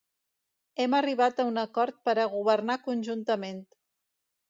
Hem arribat a un acord per a governar conjuntament.